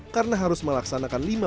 karena harus melaksanakan lima peristiwa